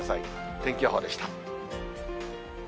天気予報でした。